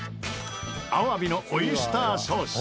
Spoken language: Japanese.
アワビのオイスターソース。